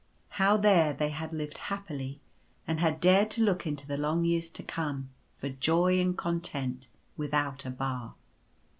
How, there, they had lived happily; and had dared to look into the long years to come for joy and content without a bar.